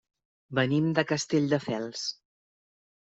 Venim de Castelldefels.